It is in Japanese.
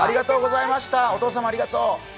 お父さんもありがとう。